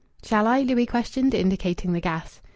"Shall I?" Louis questioned, indicating the gas.